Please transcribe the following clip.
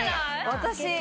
私。